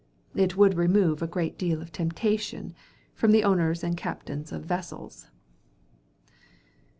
It would remove a great deal of temptation from the owners and captains of vessels.